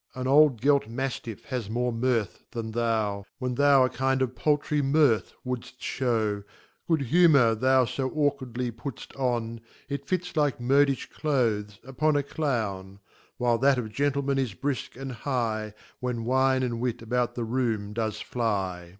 Ah old gelt Maftiffhas more mirth than thou } When thou a kind of paltry Mirth would'ft (how Good humour thou fo awkwardly put'fl on, It fits like Modifli Clothes upon a Clown *, While that of Gentlemen is brisk and high, When Wine and Wit about the room does flic.